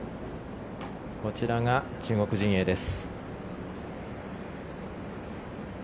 こちらが中国陣営です。